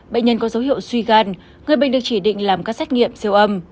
bệnh nhân có dấu hiệu suy gan người bệnh được chỉ định làm các xét nghiệm siêu âm